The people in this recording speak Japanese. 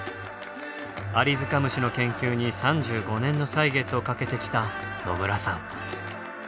アリヅカムシの研究に３５年の歳月をかけてきた野村さん。